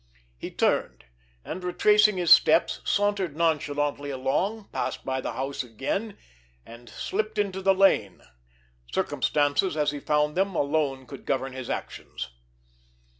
He turned, and retracing his steps, sauntered nonchalantly along, passed by the house again—and slipped into the lane. Circumstances, as he found them, alone could govern his actions.